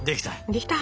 できた。